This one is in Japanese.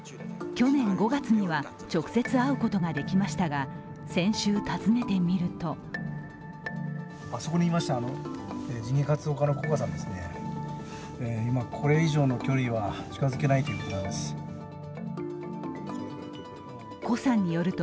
去年５月には直接会うことができましたが先週、訪ねてみるとあそこにいました、人権活動家の胡佳さんですね。